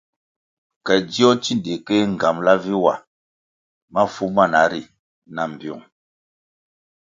Ke dzio tsindikéh nğambala vi wa mafu mana ri na mbpiung.